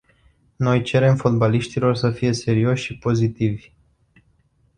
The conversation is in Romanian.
Noi cerem fotbaliștilor să fie serioși și pozitivi.